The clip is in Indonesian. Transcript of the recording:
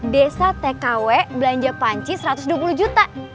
desa tkw belanja panci satu ratus dua puluh juta